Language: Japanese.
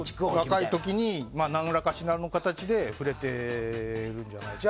若い時に何らかの形で触れているんじゃないですか。